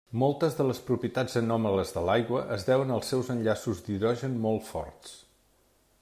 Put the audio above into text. Moltes de les propietats anòmales de l'aigua es deuen als seus enllaços d'hidrogen molt forts.